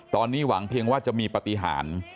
ตอนนี้หวังเพียงว่าจะมีปฏิหาร